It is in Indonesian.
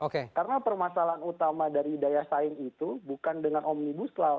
karena permasalahan utama dari daya saing itu bukan dengan omnibus law